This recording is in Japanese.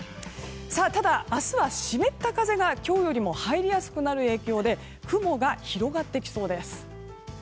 ただ、明日は湿った風が今日よりも入りやすくなる影響で雲が広がってきそうです。